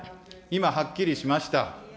今、はっきりしました。